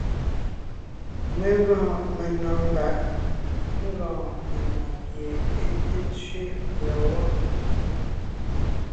Mé gɔɔn menɔ̀ɔn mbàʼ ńgɔɔn menɔ̀ɔn pie é té tsẅé mbʉ̀a wɔ́.